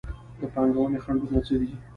د پانګونې خنډونه څه دي؟